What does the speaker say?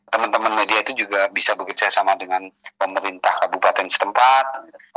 teman teman media itu juga bisa bekerja sama dengan pemerintah kabupaten setempat